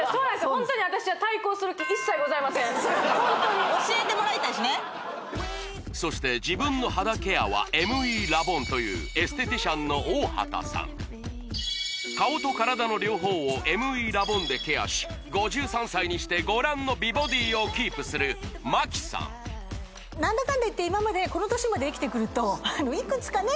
ホントに私はホントに教えてもらいたいしねそして自分の肌ケアはＭＥラボンという顔と体の両方をＭＥラボンでケアし５３歳にしてご覧の美ボディをキープするなんだかんだ言って今までこの年まで生きてくるといくつかね